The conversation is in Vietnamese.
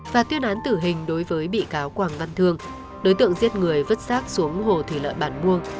và tuyên án tử hình đối với bị cáo quảng văn thương đối tượng giết người vứt sát xuống hồ thủy lợi bản muông